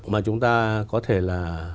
mà chúng ta có thể là